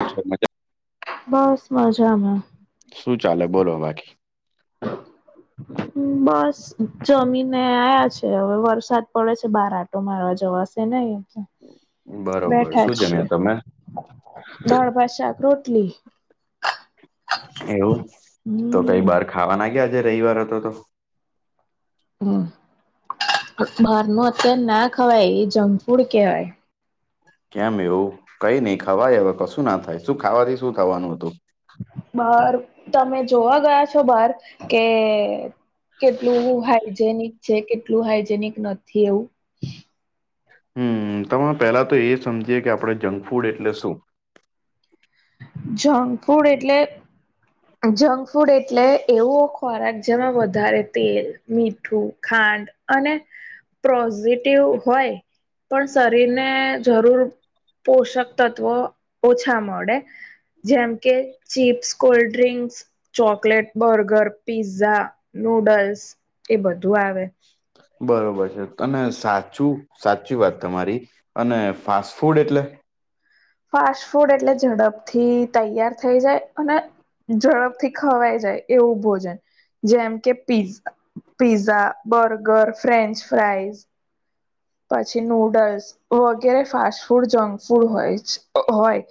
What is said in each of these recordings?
બ મજા [unintelligible] બસ મજામાં શું ચાલે બોલો બાકી બસ જમીન આજ હવે વરસાદ પડે છે બારાટો મારવા જવાશે નહી બરોબર બેઠા છ શું છે જમ્યા તમે દાળભ શાક રોટલી એવું તો હમ. કઈ બાર ખાવા ના ગયા આજે રવિવાર હતો તો હમ બાર ન અત્યારે ના ખવાય એ જંક ફૂડ કવાય કેમ એવું કઈ નહી ખવાય હવે કશું ના થાય શું ખાવાથી શું થવાનું હતું બાર તમે જોવા ગયા છો બાર કે કેટલું હાઈજેનિક છે કેટલું હાઈજેનિક નથી એવું હમ તમામે પેલા તો એ સમજીએ કે આપણે જંક ફૂડ એટલે શું જંક ફૂડ એટલે જંક ફૂડ એટલે એવો ખોરાક જેમાં વધારે તેલ મીઠું ખાંડ અને પ્રઝિટિવ હોય પણ શરીરને જરૂર પોષક તત્વ ઓછા મળે જેમ કે chips cold drinks chocolate burger pizza noodles એ બધું આવે બરોબર છે તમે સાચુ સાચી વાત તમારી અને ફાસ્ટ ફૂડ એટલે ફાસ્ટ ફૂડ એટલે ઝડપ થી તૈયાર થઈ જાય અને ઝડપથી ખવાઈ જાય એવું ભોજન જેમ કે પી પિઝા બર્ગર ફ્રેન્ચ ફ્રાઈઝ પછી નૂડલ્સ વગેરે ફાસ્ટ ફૂડ જંક ફૂડ હોય હોય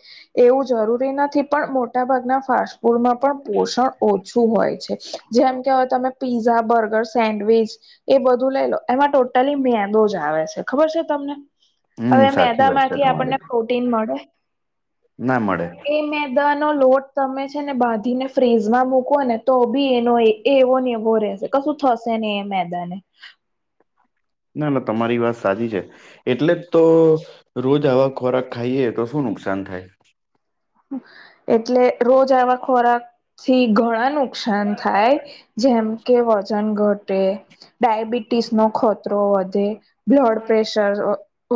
એવું જરૂરી નથી પણ મો મોટા ભાગના ફાસ્ટ ફૂડમાં પણ પોષણ ઓછું હોય છે જેમ કે તમે પીઝા બર્ગર સેન્ડવીચ એ બધું લઈ લો એમાં પ્રો તલીમ મેંદો જ આવે છે ખબર છે તમને હવે હમ સાચી મેંદા વાત છે માંથી તમારી આપણને પ્રોટીન મળે ના મળે કેમે મેંદા નો લોટ તમે છે ને બાંધીને ફ્રીજમાં મૂકવો ને તો બી એનો એવો ને એવો રેશે કશું થશે ને મેદાને ના ના તમારી વાત સાચી છે. એટલે જ તો રોજ આવા ખોરાક ખાઈએ તો શું નુકસાન થાય. એટલે રોજ આવા ખોરાક થી ગળાનું નુકસાન થાય જેમ કે વજન ઘટે ડયાબિટીસ નો ખતરો વધે બ્લડ પ્રેશર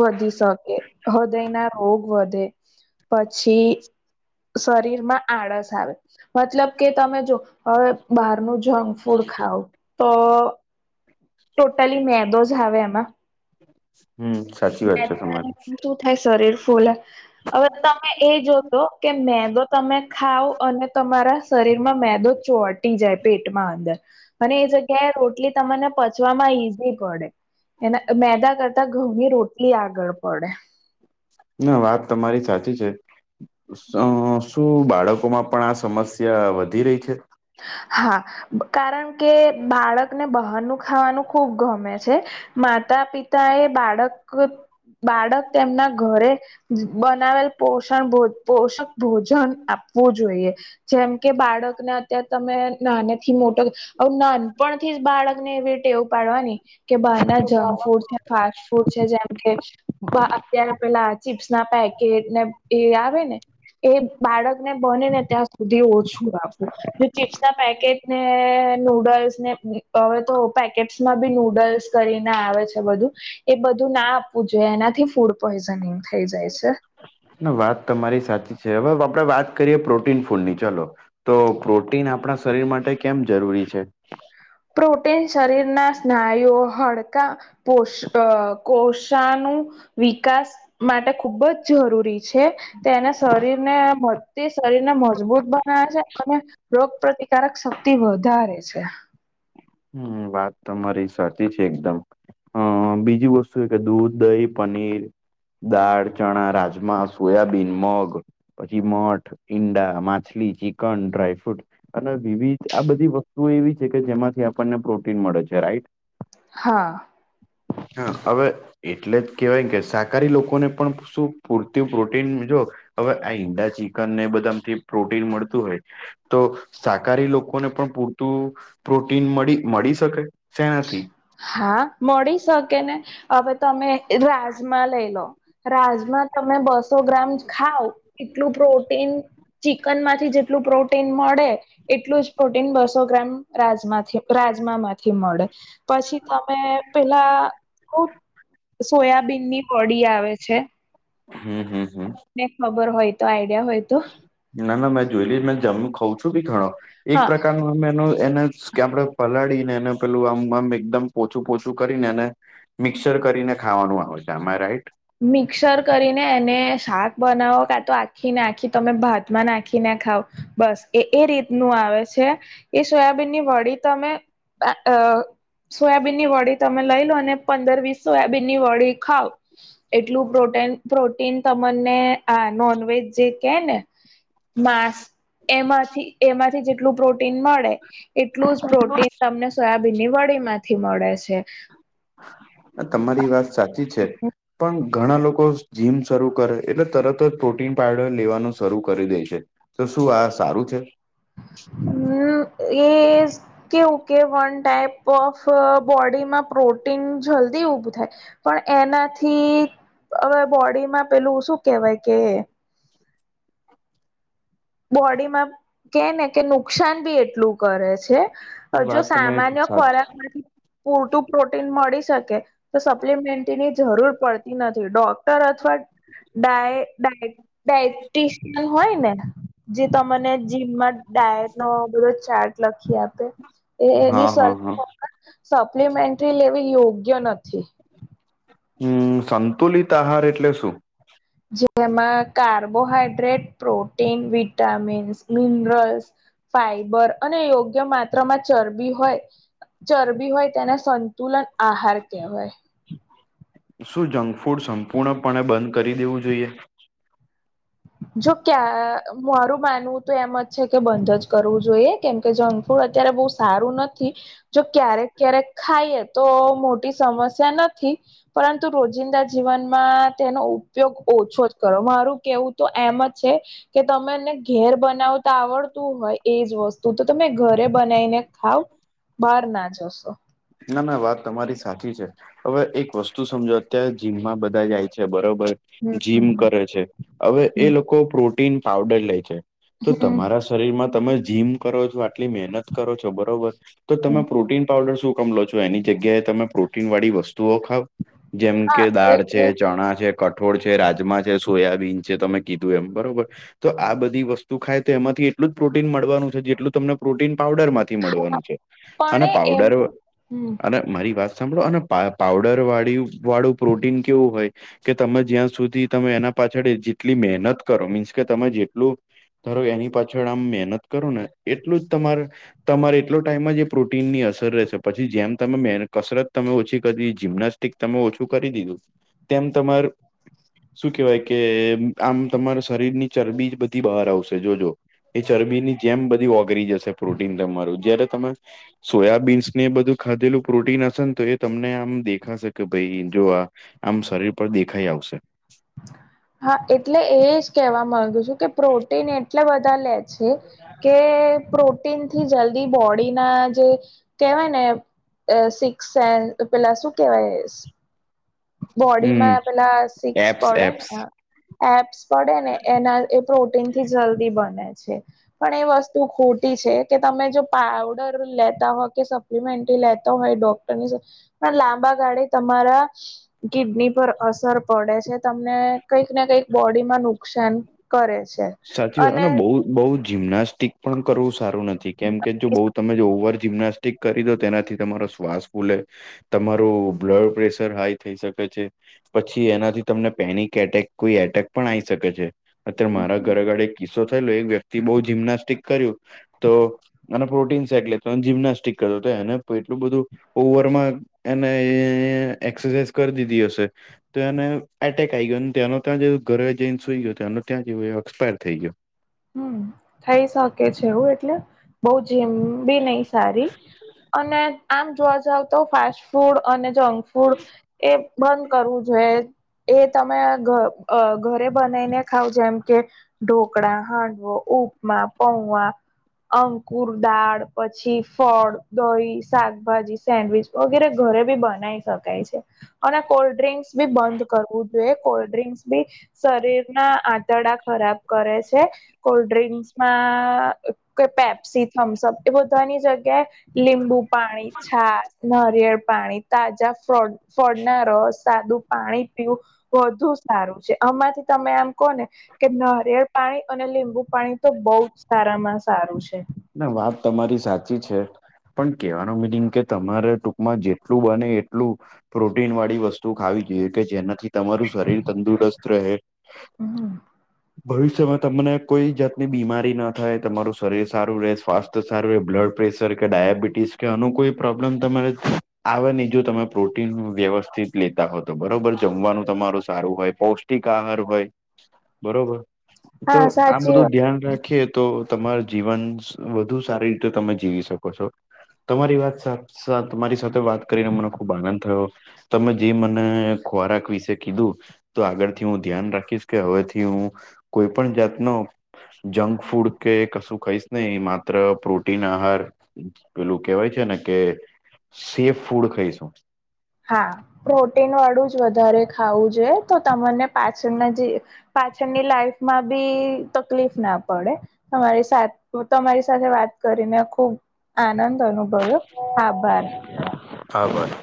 વધી શકે હૃદય ના રોગ વધે પછી શરીર માં આળસ આવે મતલબ કે તમે જો હવે બહારનું જંક ફૂડ ખાવતો ટોટલી મેંદો જ આવે એમાં હમ્મ [unintelligible] થાય શરીર ફૂલ હવે તમે એ જોશો કે મેંદો તમે ખાવ અને તમારા શરીરમાં મેદો ચોટી જાય પેટમાં અંદર અને એ જગ્યાએ રોટલી તમને પચવામાં ઈઝી પડે. અને મેદા કરતા ઘઉંની રોટલી આગળ પડે ના વાત તમારી સાચી છે. શ શું બાળકોમાં પણ આ સમસ્યા વધી રહી છે. હા કારણ કે બાળકને બહારનું ખાવાનું ખુબ ગમે છે. માતા પિતા એ બાળક બાળક તેમના ઘરે બનાવેલ પોષણ ભોજન આપવું જોઈએ જેમ કે બાળકને ત્યા તમે નાનેથી મોટો હ નાનપણ થી જ બાળક ને એવી ટેવું પાડવાની કે બહાર ના જંક ફૂડ ફાસ્ટ ફૂડ છે જેમ કે વા અત્યારે પેલા ચીપ્સ ના પેકેટ ને એ આવે ને એ બાળકને બને ને ત્યાં સુધી ઓછું આપવું. ચીપ્સ ના પેકેટ ને નૂડલ્સ ને હવે તો પેકેટ્સમાં બી નૂડલ્સ કરીને આવે છે બધું એ બધું ના આપવું જોઈએ એનાથી ફૂડ પોઈઝનિંગ થઈ જાય છે. ના વાત તમારી સાચી છે હવે આપડે વાત કરીએ પ્રોટીન ફૂડ ની ચાલો તો પ્રોટીન આપણા શરીર માટે કેમ જરૂરી છે. પ્રોટીન શરીરના સ્નાયુઓ હાડકાં [unintelligible] કોષા નું વિકાસ માટે ખૂબ જ જરૂરી છે તેને શરીરને તે શરીરને મજબૂત બનાવે છે અને રોગ પ્રતિકારક શક્તિ વધારે છે. હમ વાત તમારી સાચી છે એકદમ. હ બીજી વસ્તુ એ કે દૂધ, દહી, પનીર દાળ, ચણા, રાજમા, સોયાબીન, મગ પછી મઠ, ઈંડા, માછલી, ચિકન, ડ્રાયફ્રૂટ અને વિવિધ આ બધી વસ્તુઓ એવી છે કે જેમાંથી આપણને પ્રોટીન મળે છે રાઈટ? હા. હા હવે એટલે જ કેહેવાય કે શાકાહારી લોકોને પણ શું પૂરતું પ્રોટીન જો હવે આ ઈંડા, ચિકન ને બધાથી પ્રોટીન મળતું હોય તો શાકાહારી લોકોને પણ પૂરતું પ્રોટી ટીન મળી મળી શકે? શેનાથી? હા મળી શકે ને હવે તમે રાજમા લઈ લો રાજમા તમે બસો ગ્રામ ખાવ એટલું પ્રોટીન ચિકન માંથી જેટલું પ્રોટીન મળે એટલું જ પ્રોટીન બસો ગ્રામ રાજમાથી રાજમામાંથી મળે. પછી તમે પેલા સોયાબીન ની બોડી આવે હમ હમ હમ ને ખબર હોય તો આઈડિયા હોય તો ના ના મેં જોયેલી મે જમ ખઉ છું બી ઘણો એક હા પ્રકારનું એનો એને કે આપડે પલાડી ને એને પેલું આમ આમ એકદમ પોચું પોચું કરીને એને મિક્સર કરીને ખાવાનું આવે છે આમાં રાઈટ? મિક્સર કરીને એને શાક બનાવો કા તો આખીને આખી તમે ભાતમાં નાખીને ખાવ. બસ એ એ રીતનું આવે છે એ સોયાબીનની વળી તમે અ સોયાબીનની વળી તમે લઈ લો અને પંદર વીસ સોયાબીનની વળી ખાવ એટલું પ્રોટન પ્રોટીન તમને આ નોનવેજ જે કે ને માંસ એમાંથી એમાંથી જેટલું પ્રોટીન મળે એટલું જ પ્રોટીન તમને સોયાબીનની વળી માંથી મળે છે. આ તમારી વાત સાચી છે પણ ઘણા લોકો જીમ શરૂ કરે એટલે તરત જ પ્રોટીન પાઉડર લેવાનું શરૂ કરી દે છે. તો શું આ સારું છે? હમ એ કેવું કે વન ટાઈપ ઓફ બોડીમાં પ્રોટીન જલ્દી ઊભું થાય પણ એનાથી હવે બોડીમાં પેલું શું કેહેવાય કે બોડીમાં કે ને કે નુકસાન બી એટલું કરે છે. જો વાત તમે સામાન્ય સાચી. ખોરાક નથી પૂરતું પ્રોટીન મળી શકે તો સપ્લિમેન્ટની જરૂર પડતી નથી. ડોક ડોક્ટર અથવા ડાય દીએટિસ્ટ હોય ને જે તો મને જીમમાં ડાયટ નો બધો ચાર્ટ લખી આપે. એ હા એની હા સલાહર હા સપ્લીમેન્ટરી લેવી યોગ્ય નથી. હમ સંતુલિત આહાર એટલે શું? જેમાં carbohydrate, protein, vitamins, minerals, fibre અને યોગ્ય માત્રામાં ચરબી હોય ચરબી હોય તેને સંતુલન આહાર કહેવાય. શું જંકફૂડ સંપૂર્ણપણે બંધ કરી દેવું જોઈએ? જો કે આ મારું માનવું તો એમ જ છે કે બંધ જ કરવું જોઈએ કેમ કે જો કફુડ અત્યારે બોવ સારું નથી. જો ક્યારેક ક્યારેક ખાઈએ તો મોટી સમસ્યા નથી પરંતુ રોજિંદા જીવનમાં તેનો ઉપયોગ ઓછો જ કરો મારું કેવું તો એમ જ છે કે તમેને ઘેર બનાવતા આવડતું હોય એજ વસ્તુ તું તો તમે ઘરે બનાઈને ખાવ બહાર ના જશો. ના ના વાત તમારી સાચી છે. હવે એક વસ્તુ સમજો અત્યારે જીમમાં બધા જાય છે બરોબર જીમ હમ કરે છે હવે એ હમ લોકો પ્રોટીન પાવડર લે છે તો હમ તમારા શરીરમાં તમે જીમ કરો છો આટલી મહેનત કરો છો બરોબર તો હમ તમે પ્રોટીન પાવઉડર શું હકમ લો છો એની જગ્યાએ તમે પ્રોટીનવાળી વસ્તુઓ ખાવ જેમ કે હા દાળ છે એ ચણા છે કઠોળ છે રાજમા છે સોયાબીન છે તમે કીધું એમ બરોબર તો આ બધી વસ્તુ ખાય તો એમાંથી એટલું જ પ્રોટીન મળવાનું છે જેટલું તમને પ્રોટીન પાવડરમાં થી મળવાનું છે પણ અને એમ પાવડર હમ અને મારી વાત સાંભળો અને પાવ પાવડરવાળું પ્રોટીન કેવું હોય કે તમે જ્યાં સુધી તમે એના પાછળ જેટલી મહેનત કરો મીન્સ કે તમે જેટલું ધ એની પાછળ આમ મહેનત કરો ને એટલું જ તમાર તમારે એટલો ટાઈમ જે પ્રોટીનની અસર રહેશે પછી જેમ તમે કસરત તમે ઓછી કરી જિમ્નાસ્ટ એકદમ ઓછું કરી દીધું તેમ તમાર શું કેવાય કે આમ તમારા શરીરની ચરબી જ બધી બહાર આવશે જોજો એ ચરબીની જેમ બધી ઓગરી જશે પ્રોટીન તમારું જયારે તમે સોયાબીન્સ ને એ બધું ખાધેલું પ્રોટીન હશે ને તો એ તમને આમ દેખાશે કે ભાઈ જો આ આમ શરીર પર દેખાઈ આવશે. હા એટલે એ જ કેહવા માંગુ છું કે પ્રોટીન એટલા બધા લે છે કે પ્રો ટીન થી જલ્દી બોડીના જે કહેવાય ને અઅ સિક્સ સેન પેલા શું કેવાય શ હમ બોડીમાં પેલા સિક્સ એપ્સ એપ્સ પડેને એપ્સ પડે ને એના લી પ્રોટીનથી જલ્દી બને છે પણ એ વસ્તુ ખોટી છે કે તમે જો પાવડર લેતા હોય કે સપ્લીમેન્ટરી લેતો હોય ડોક્ટરની પણ લાંબા ગાળે તમારા કિડની પર અસર પડે છે તમને કંઈક ને કંઈક બોડીમાં નુકસાન કરે છ સાચી વાત અને બોવ બોવ જિમ્નાસ્ટિક પણ કરવું સારું નથી કેમ કે જો બોવ તમે જો ઓવર જીમના સ્ટીક કરી દો તેનાથી તમારો શ્વાસ ફૂલે તમારું બ્લડ પ્રેશર હાઈ થઈ શકે છે. પછી એનાથી તમને પેનિક એટેક કોઈ એટેક પણ આવી શકે છે અત્યારે મારા ઘરે કિસ્સો થયેલો એક વ્યક્તિ બહુ જિમ્નાસ્ટિક કર્યું તો અને પ્રોટીન સાટ લે જિમ્નાસ્ટિક કરતો હતોને એટલું બધું ઓવરમાં એને એક્સરસાઇઝ કરી દીધી હશે. તો એને એટેક આ આવી ગયો તેનો ત્યાં ઘરે જઈને સુઈ ગયો એ ત્યાં જે એક્સપાયર થઈ ગયો. હમમ થઇ શકે છે હો એટલે બોવ જીમ ભી નહી સારી અને આમ જોવા જાવ તો ફાસ્ટ ફૂડ અને જંક ફૂડ એ બંધ કરવું જોઈએ એ તમે અ ઘરે બનાવીને ખાવ જેમ કે ઢોકળા ખાંડવો ઉપમા પૌવા અંકુર દાળ પછી ફળ દહી શાકભાજી સેન્ડવીચ વગેરે ઘરે બી બનાવી શકાય છે અને કોલ્ડ ડ્રિંક્સ બી બંધ કરવું જોઈએ કોલ્ડ્રિંક્સ બી શરીર આંતડા કરે છે કોલ્ડ ડ્રિંક્સમાં પેપ્સી થમ્સઅપ એ બધાની જગ્યાએ લીંબુ પાણી છાસ નરિયેળ પાણી તાજા ફ ફોડના રસ સાદું પાણી પીવું વધુ સારું છે આમાંથી તમે આમ કોને કે નારિયેળ પાણી અને લીંબુ પાણી તો બહું જ સારામાં સારું છે વાત તમારી છે પણ કેહેવાનું મિનિંગ કે તમારે ટૂંકમાં જેટલું બને એટલું પ્રોટીન વાળી વસ્તુ ખાવી જોઈએ કે જેનાથી તમારું શરીર તંદુરસ્ત રહે હમ ભવિષ્યમાં તમને કોઈ જાતની બીમારી ના થાય તમારું શરીર સારું રહે સ્વાસ્થ તો સારું એ બ્લડ પ્રેશર કે ડાયાબિટીસ કે અન કોઈ પ્રોબ્લેમ તમારે આવે ને જો તમે પ્રોટીન વ્યવસ્થિત લેતા હો હતો બરોબર જમવાનું તમારું સારું હોય પૌષ્ટિક આહાર હોય બરોબર તો હા આ સાચી બધું વાત ધ્યાન રાખીએ તો તમાર જીવન વધુ સારી રીતે તમે જીવી શકો છો તમારી વાત તમારી સાથે વાત કરીને મને ખુબ આનંદ થયો તમે જે મને ખોરાક વિશે કીધું તો આગળથી હું ધ્યાન રાખીશ કે હવે કે કોઈ પણ જાત નો જંક ફૂડ કે કશું ખાઈશ નહી માત્ર પ્રોટીન આહાર પેલું કેવાય છે ને કે સેફ ફૂડ ખાઈશું હા પ્રોટીન વાળું જ વધારે ખાવું જોઈએ તો તમને પાછળના જે પાછળની લાઈફમાં બી તકલીફ ના પડે તમારી હું તમારી સાથે વાત કરીને ખુબ આનંદ અનુભવ્યો આભાર આભાર